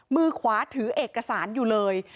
มือขวาถือเอกสารอยู่เลย